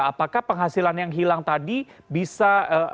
apakah penghasilan yang hilang tadi bisa